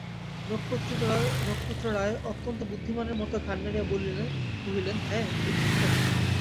নক্ষত্ররায় অত্যন্ত বুদ্ধিমানের মতো ঘাড় নাড়িয়া কহিলেন, হাঁ, এ ঠিক কথা।